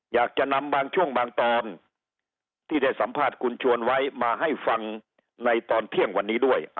อยากจะนำบางช่วงบางตอนที่ได้สัมภาษณ์คุณชวนไว้มาให้ฟังในตอนเที่ยงวันนี้ด้วย